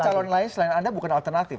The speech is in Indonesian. calon lain selain anda bukan alternatif